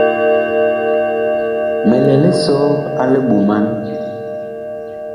Mi lɛ lisɔ a liɓoman.